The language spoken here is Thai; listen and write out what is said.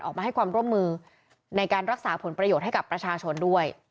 ออกมาให้ความร่วมมือในการรักษาผลประโยชน์ให้กับประชาชนด้วย